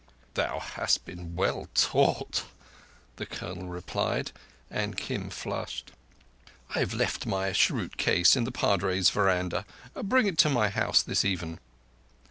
"Thou hast been well taught," the Colonel replied, and Kim flushed. "I have left my cheroot case in the Padre's veranda. Bring it to my house this even."